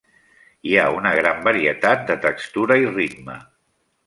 Hi ha una gran varietat de textura i ritme.